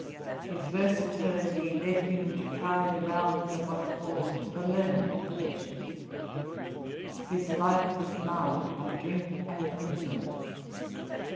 'His versatility led him to try the round of what are called the learned professions.' His life was marred by drink and insolence.'